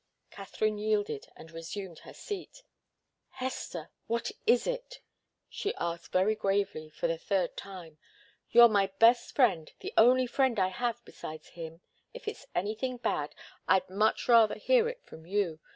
Katharine yielded, and resumed her seat. "Hester, what is it?" she asked very gravely for the third time. "You're my best friend the only friend I have besides him. If it's anything bad, I'd much rather hear it from you.